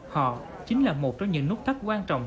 họ chính là một trong những nút thắt quan trọng